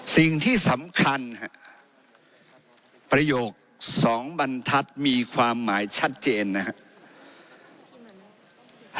สิ่งที่สำคัญประโยคสองบรรทัศน์มีความหมายชัดเจนนะครับ